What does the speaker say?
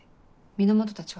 源たちは？